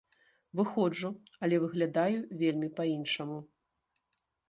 Выходжу, але выглядаю вельмі па-іншаму.